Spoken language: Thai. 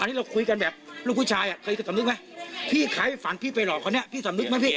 อันนี้เราคุยกันแบบลูกผู้ชายอ่ะเคยสำนึกไหมพี่ใครฝันพี่ไปหลอกคนนี้พี่สำนึกไหมพี่